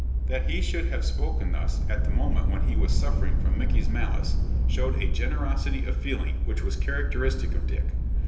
That he should have spoken thus, at the moment when he was suffering from Micky's malice, showed a generosity of feeling which was characteristic of Dick.